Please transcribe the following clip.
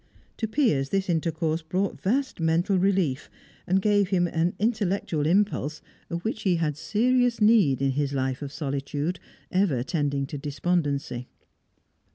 To Piers this intercourse brought vast mental relief, and gave him an intellectual impulse of which he had serious need in his life of solitude, ever tending to despondency.